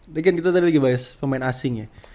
dekan kita tadi lagi bahas pemain asing ya